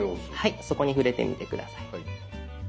そこに触れてみて下さい。